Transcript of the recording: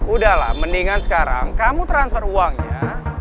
udahlah mendingan sekarang kamu transfer uangnya